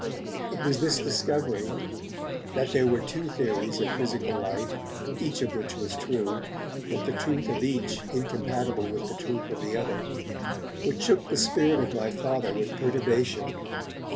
It was this discovery, that there were two theories of physical life, each of which was true, but the truth of each incompatible with the truth of the other, which shook the spirit of my Father with perturbation.